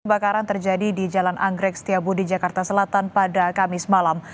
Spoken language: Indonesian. kebakaran terjadi di jalan anggrek setiabudi jakarta selatan pada kamis malam